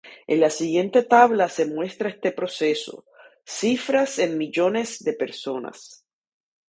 En la siguiente tabla se muestra este proceso, cifras en millones de personas.